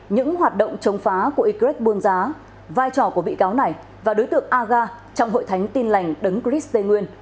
những hoạt động chống phá của ygrec buôn giá vai trò của bị cáo này và đối tượng aga trong hội thánh tin lành đấng chris tây nguyên